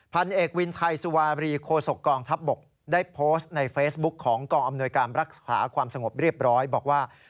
พันเอกวินไทยสุวาบรีโคศกกองทัพบกได้โพสต์ในเฟซบุ๊คของกองอำนวยการรักษาความสงบเรียบร้อยบอกว่า